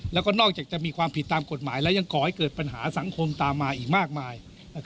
แล้วก็นอกจากจะมีความผิดตามกฎหมายแล้วยังก่อให้เกิดปัญหาสังคมตามมาอีกมากมาย